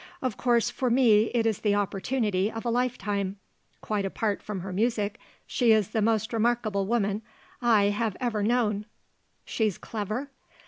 Of course for me it is the opportunity of a life time. Quite apart from her music, she is the most remarkable woman I have ever known." "She's clever?"